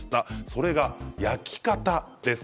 それが焼き方です。